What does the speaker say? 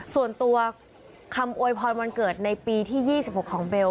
ส่วนตัวคำอวยพรวันเกิดในปีที่๒๖ของเบล